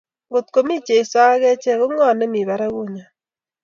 Kot ko mi Jeso ak achek, ko ngu ne mi barakunyon?